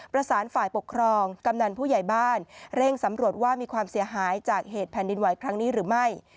ประสานฝ่ายปกครองกำนันผู้ใหญ่บ้านเร่งสำรวจว่ามีความเสียหายจากเหตุแผ่นดินไหวครั้งนี้หรือไม่